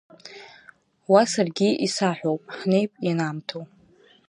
Уа саргьы исаҳәоуп, ҳнеип ианаамҭоу.